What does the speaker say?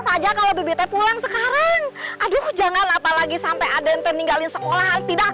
saja kalau dbt pulang sekarang aduh jangan apalagi sampai adente ninggalin sekolah tidak